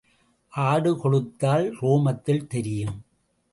ஆடு கொழுத்தால் ரோமத்தில் தெரியும்.